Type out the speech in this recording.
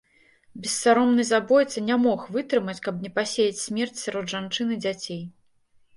Бессаромны забойца не мог вытрымаць, каб не пасеяць смерць сярод жанчын і дзяцей.